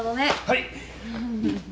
はい！